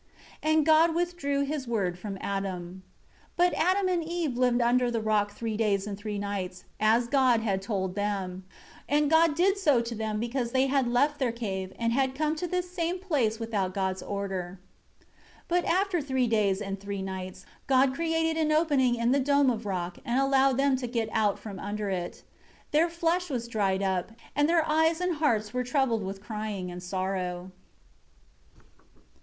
10 And God withdrew His Word from Adam. 11 But Adam and Eve lived under the rock three days and three nights, as God had told them. 12 And God did so to them because they had left their cave and had come to this same place without God's order. 13 But, after three days and three nights, God created an opening in the dome of rock and allowed them to get out from under it. Their flesh was dried up, and their eyes and hearts were troubled from crying and sorrow.